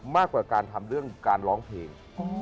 มากกว่าการทำเรื่องการร้องเพลง